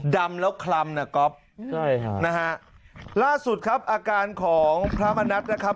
ดำแล้วคลำนะก๊อฟใช่ค่ะนะฮะล่าสุดครับอาการของพระมณัฐนะครับ